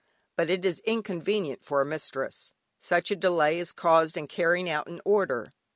But it is inconvenient for a mistress; such a delay is caused in carrying out an order.